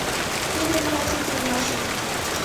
— Теве мо ок сите улмашын...